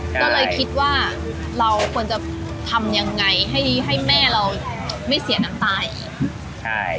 ก็เลยคิดว่าเราควรจะทำยังไงให้ให้แม่เราไม่เสียน้ำตาอีกใช่